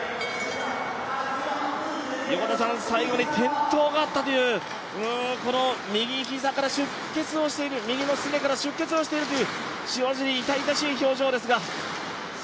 最後に転倒があったという、右のすねから出血しているという、塩尻、痛々しい表情ですが。